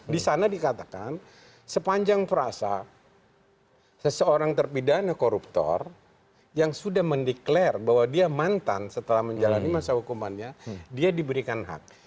di sana dikatakan sepanjang perasa seseorang terpidana koruptor yang sudah mendeklarasi bahwa dia mantan setelah menjalani masa hukumannya dia diberikan hak